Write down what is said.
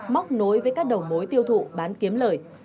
móc nối với các đầu mối tiêu thụ bán kiếm lời